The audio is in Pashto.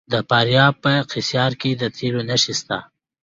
د فاریاب په قیصار کې د تیلو نښې شته.